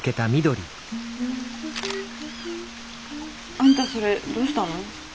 あんたそれどうしたの？